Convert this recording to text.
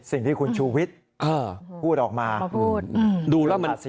สิ่งที่คุณชูวิทย์พูดออกมา